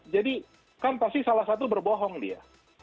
jadi kan pasti salah satu berbohong dia